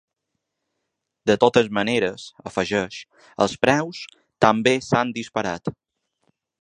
De totes maneres, afegeix, els preus també s’han disparat.